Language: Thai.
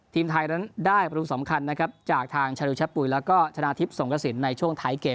ทีมไทยนั้นได้ประตูสำคัญนะครับจากทางชารุชะปุ๋ยแล้วก็ชนะทิพย์สงกระสินในช่วงท้ายเกม